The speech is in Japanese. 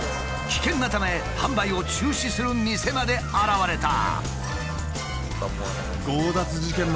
危険なため販売を中止する店まで現れた。